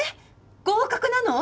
合格なの！？